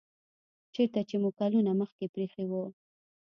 چیرته چې مو کلونه مخکې پریښی و